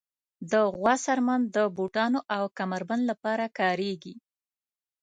د غوا څرمن د بوټانو او کمر بند لپاره کارېږي.